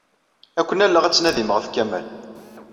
Ad ken-alleɣ ad tnadim ɣef Kamal.